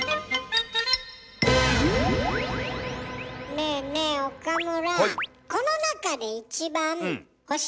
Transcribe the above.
ねえねえ岡村。